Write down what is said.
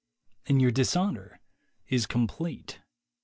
. And your dis honor is complete.